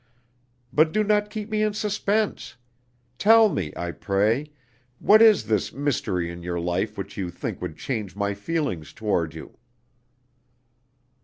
But do not keep me in suspense; tell me, I pray, what is this mystery in your life which you think would change my feelings toward you?"